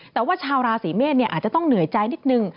แต่ว่าชาวราศีเมษอาจจะต้องเหนื่อยใจนิดนึง